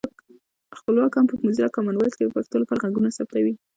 خپلواک هم په موزیلا کامن وایس کې د پښتو لپاره غږونه ثبتوي